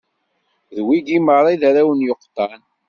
D wigi meṛṛa i d arraw n Yuqtan.